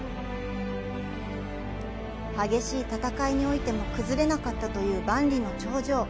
激しい戦いにおいても崩れなかったという万里の長城。